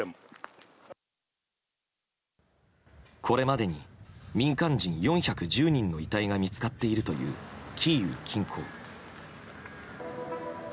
これまでに民間人４１０人の遺体が見つかっているというキーウ近郊。